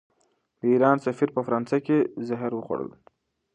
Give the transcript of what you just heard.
د ایران سفیر په فرانسه کې زهر وخوړل.